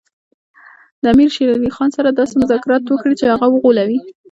د امیر شېر علي خان سره داسې مذاکرات وکړي چې هغه وغولوي.